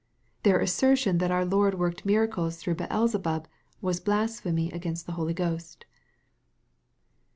Their assertion that our Lord worked miracles through Beelzebub, was blasphemy against the Holy Ghost.